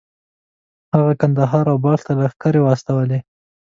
هغه کندهار او بلخ ته لښکرې واستولې.